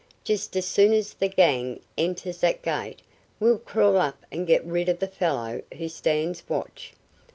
Just as soon as the gang enters that gate we'll crawl up and get rid of the fellow who stands watch."